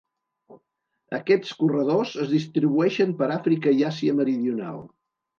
Aquests corredors es distribueixen per Àfrica i Àsia Meridional.